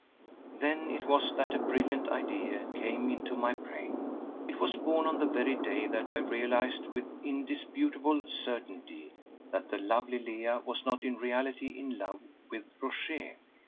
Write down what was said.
Then it was that a brilliant idea came into my brain. It was born on the very day that I realized with indisputable certainty that the lovely Leah was not in reality in love with Rochez.